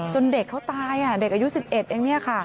จนเด็กเขาตายเด็กอายุ๑๑อย่างนี้